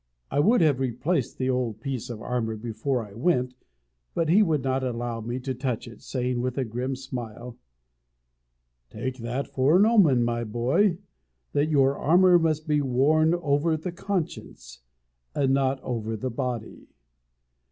I would have replaced the old piece of armour before I went, but he would not allow me to touch it, saying, with a grim smile, "Take that for an omen, my boy, that your armour must be worn over the conscience, and not over the body.